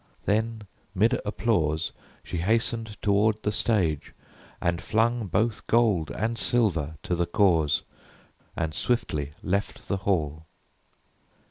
Then, mid applause she hastened toward the stage And flung both gold and silver to the cause And swiftly left the hall.